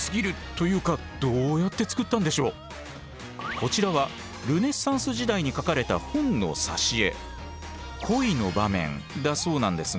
こちらはルネサンス時代に描かれた本の挿絵。